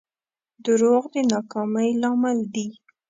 دروغ د ناکامۍ لامل دي.